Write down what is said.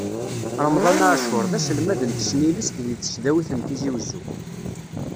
Remḍan Ɛacur, d aselmad n tesnilest di tesdawit n Tizi Uzzu.